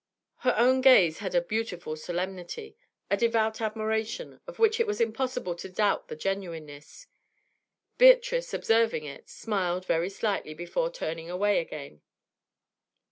Her own gaze had a beautiful solemnity, a devout admiration, of which it was impossible to doubt the genuineness; Beatrice, observing it, smiled very slightly before turning away again.